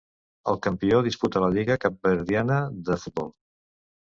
El campió disputa la lliga capverdiana de futbol.